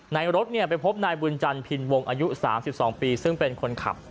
ในรถไปพบนายบุญจันพินวงอายุ๓๒ปีซึ่งเป็นคนขับ